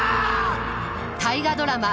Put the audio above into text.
大河ドラマ